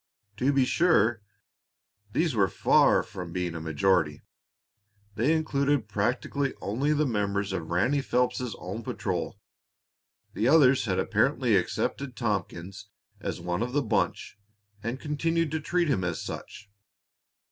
To be sure, these were far from being a majority. They included practically only the members of Ranny Phelps's own patrol; the others had apparently accepted Tompkins as one of the bunch and continued to treat him as such.